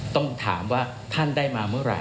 ต้องถามว่าท่านได้มาเมื่อไหร่